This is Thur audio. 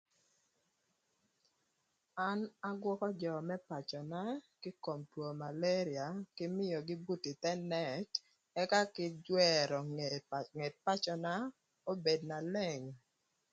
An agwökö jö më pacöna kï ï kom two malarïa kï buto ï thë nët ëka kï jwërö ngët pacöna obed na leng